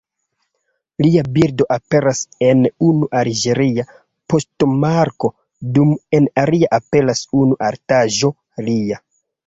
Lia bildo aperas en unu alĝeria poŝtmarko dum en alia aperas unu artaĵo lia.